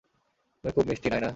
তুমি খুব মিষ্টি, নায়না।